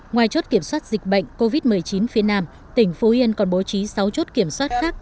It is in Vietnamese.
ngoài chốt kiểm soát dịch bệnh covid một mươi chín phía nam tỉnh phú yên còn bố trí sáu chốt kiểm soát khác